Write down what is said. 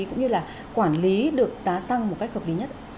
cũng như là quản lý được giá xăng một cách hợp lý nhất